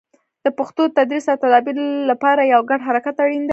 د پښتو د تدریس او تدابیر لپاره یو ګډ حرکت اړین دی.